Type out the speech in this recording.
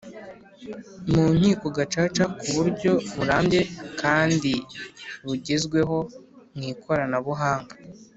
mu Nkiko Gacaca ku buryo burambye kandi bugezweho mu ikoranabuhanga